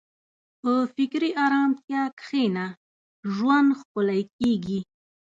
په فکري ارامتیا کښېنه، ژوند ښکلی کېږي.